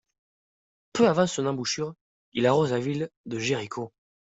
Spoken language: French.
Peu avant son embouchure, il arrose la ville de Jéricho.